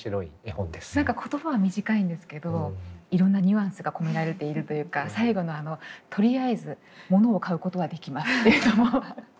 何か言葉は短いんですけどいろんなニュアンスが込められているというか最後のあのとりあえず「物」を買うことができますっていうのも何か。